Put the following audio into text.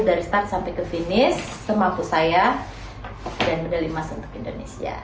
dari start sampai ke finish semampu saya dan medali emas untuk indonesia